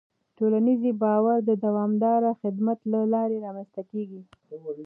ټولنیز باور د دوامداره خدمت له لارې رامنځته کېږي.